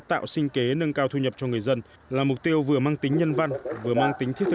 tạo sinh kế nâng cao thu nhập cho người dân là mục tiêu vừa mang tính nhân văn vừa mang tính thiết